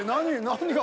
何。